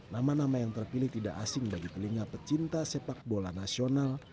nama nama yang terpilih tidak asing bagi telinga pecinta sepak bola nasional